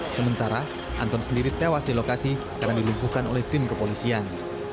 sementara anton sendiri tewas di lokasi karena dilumpuhkan oleh tim kepolisian